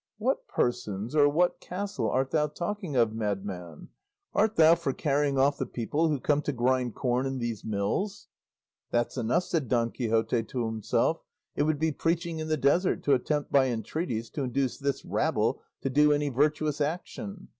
"What persons or what castle art thou talking of, madman? Art thou for carrying off the people who come to grind corn in these mills?" "That's enough," said Don Quixote to himself, "it would be preaching in the desert to attempt by entreaties to induce this rabble to do any virtuous action.